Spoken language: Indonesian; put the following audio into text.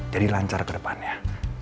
jadi lancar ke depannya